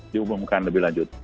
diubuhkan lebih lanjut